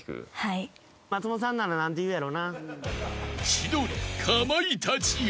［千鳥かまいたちよ］